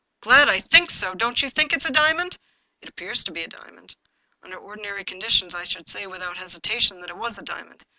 Glad I think so ! Don't you think that it's a diamond ?"" It appears to be a diamond. Under ordinary conditions I should say, without hesitation, that it was a diamond.